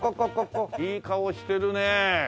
いい顔してるね。